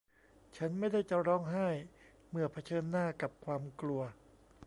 ฉันไม่ได้จะร้องไห้เมื่อเผชิญหน้ากับความกลัว